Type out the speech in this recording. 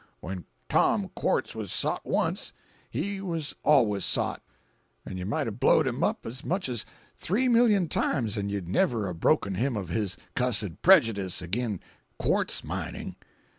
When Tom Quartz was sot once, he was always sot—and you might a blowed him up as much as three million times 'n' you'd never a broken him of his cussed prejudice agin quartz mining."